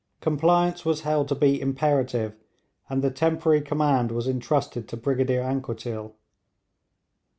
Compliance was held to be imperative, and the temporary command was entrusted to Brigadier Anquetil.